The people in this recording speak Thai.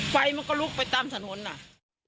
ไฟมันก็ลกไปตามสะหนด